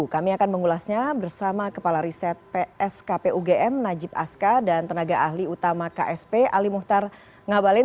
kami akan mengulasnya bersama kepala riset pskpugm najib aska dan tenaga ahli utama ksp ali muhtar ngabalin